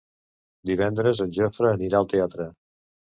Divendres en Jofre anirà al teatre.